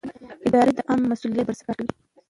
اداره د عامه مصلحت پر بنسټ کار کوي.